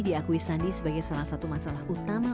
diakui sandi sebagai salah satu masalah utama